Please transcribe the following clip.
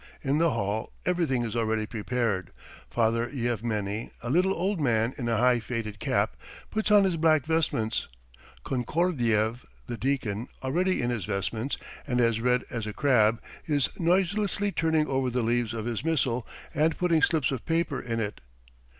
In the hall everything is already prepared. Father Yevmeny, a little old man in a high faded cap, puts on his black vestments. Konkordiev, the deacon, already in his vestments, and as red as a crab, is noiselessly turning over the leaves of his missal and putting slips of paper in it.